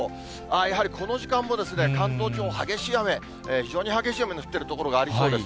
やはりこの時間も関東地方、激しい雨、非常に激しい雨の降ってる所がありそうです。